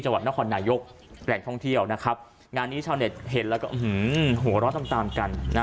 จังหวัดนครนายกแหล่งท่องเที่ยวนะครับงานนี้ชาวเน็ตเห็นแล้วก็หัวเราะตามตามกันนะ